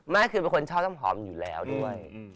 ไม่คือเป็นคนชอบน้ำหอมอยู่แล้วด้วย